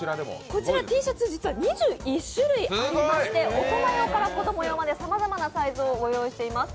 こちらＴシャツ、実は２１種類ありまして大人用から子供用までさまざまなサイズをご用意しています。